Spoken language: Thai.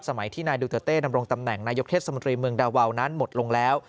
สมัยที่นายดูเตอร์เต้นำรงตำแหน่งนายกเทศมนตรีเมืองดาวาวนั้นหมดลงแล้ว